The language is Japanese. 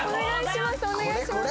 お願いします